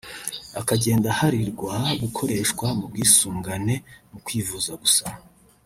akagenda aharirwa gukoreshwa mu bwisungane mu kwivuza gusa